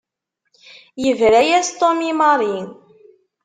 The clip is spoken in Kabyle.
Yebra-yas Tom i Mary.